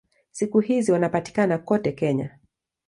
Siku hizi wanapatikana kote Kenya.